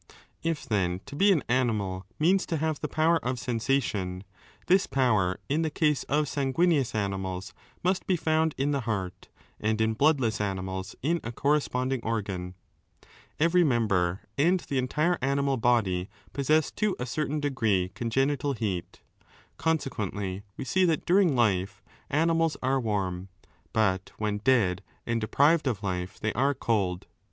If, then, to be an animal means to have the power of sensation, this power in the case of sanguineous animals must be found in the heart and in bloodless animals in 3 a corresponding organ. Every member and the entire animal body possess to a certain degree congenital heat. Consequently we see that during life animals are warm, but when dead and deprived of life they are cold.